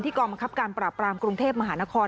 กองบังคับการปราบปรามกรุงเทพมหานคร